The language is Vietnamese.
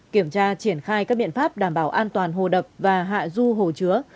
kiểm tra triển khai các biện pháp đảm bảo an toàn hồ đập và hạ du hồ chứa